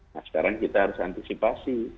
nah sekarang kita harus antisipasi